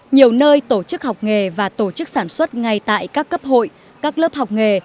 nhiều nơi tổ chức học nghề và tổ chức sản xuất ngay tại các cấp hội các lớp học nghề